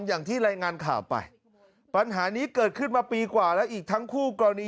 อย่างที่รายงานข่าวไปปัญหานี้เกิดขึ้นมาปีกว่าแล้วอีกทั้งคู่กรณี